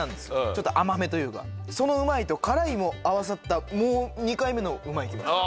ちょっと甘めというかそのうまいと辛いもあわさったもう二回目の「うまい」きました